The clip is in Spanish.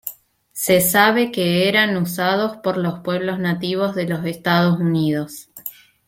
Se sabe que eran usados por los Pueblos nativos de los Estados Unidos.